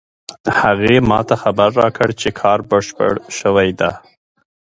هغې ما ته خبر راکړ چې کار بشپړ شوی ده